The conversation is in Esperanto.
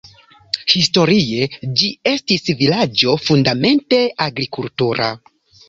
Historie ĝi estis vilaĝo fundamente agrikultura.